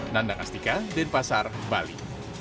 nanda kastika denpasar bali